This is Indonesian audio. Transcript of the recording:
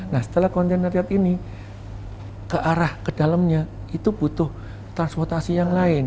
nah setelah kontainer ini ke arah ke dalamnya itu butuh transportasi yang lain